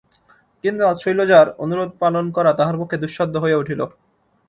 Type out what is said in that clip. কিন্তু আজ শৈলজার অনুরোধ পালন করা তাহার পক্ষে দুঃসাধ্য হইয়া উঠিল।